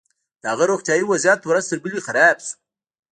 د هغه روغتيايي وضعيت ورځ تر بلې خراب شو.